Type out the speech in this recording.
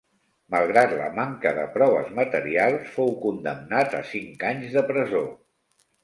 Malgrat la manca de proves materials, fou condemnat a cinc anys de presó.